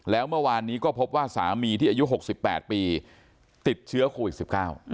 แล้วเมื่อวานนี้ก็พบว่าสามีที่อายุ๖๘ปีติดเชื้อโควิด๑๙